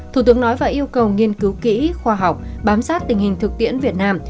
thủ tướng nói và yêu cầu nghiên cứu kỹ khoa học bám sát tình hình thực tiễn việt nam